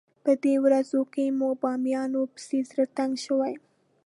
په دې ورځو کې مې بامیانو پسې زړه تنګ شوی.